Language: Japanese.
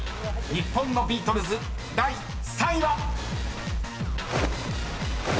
［日本のビートルズ第３位は］